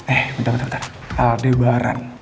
eh bentar bentar aldebaran